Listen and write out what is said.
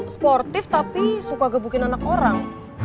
sportif tapi suka gebukin anak orang